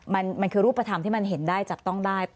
มันคือรูปธรรมที่มันเห็นได้จับต้องได้